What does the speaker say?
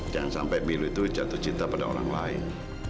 jangan sampai milu itu jatuh cinta pada orang lain